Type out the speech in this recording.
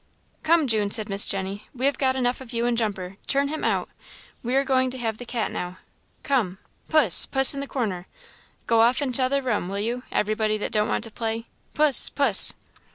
"Come, June," said Miss Jenny, "we have got enough of you and Jumper turn him out; we are going to have the cat now. Come! Puss, puss in the corner! Go off in t'other room, will you, everybody that don't want to play. Puss, puss!"